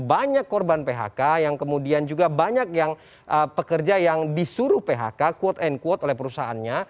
banyak korban phk yang kemudian juga banyak yang pekerja yang disuruh phk quote unquote oleh perusahaannya